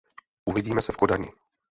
Uvidíme se v Kodani.